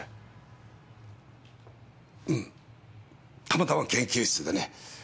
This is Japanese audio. たまたま研究室でね。